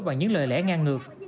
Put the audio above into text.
bằng những lời lẽ ngang ngược